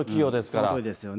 そのとおりですよね。